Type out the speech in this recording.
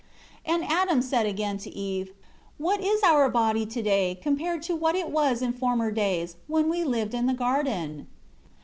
10 Adam said again to Eve, "What is our body today, compared to what it was in former days, when we lived in the garden?"